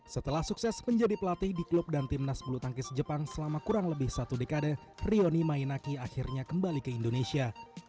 setelah sukses menjadi pelatih di klub dan timnas bulu tangkis jepang selama kurang lebih satu dekade rioni mainaki akhirnya kembali ke indonesia